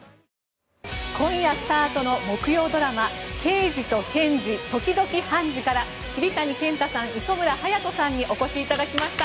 今夜スタートの木曜ドラマ「ケイジとケンジ、時々ハンジ。」から桐谷健太さんと磯村勇斗さんにお越しいただきました。